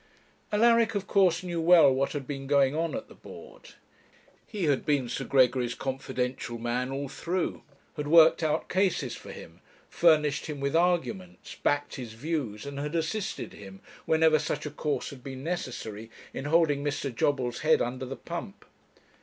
Alaric, of course, knew well what had been going on at the Board. He had been Sir Gregory's confidential man all through; had worked out cases for him, furnished him with arguments, backed his views, and had assisted him, whenever such a course had been necessary, in holding Mr. Jobbles' head under the pump.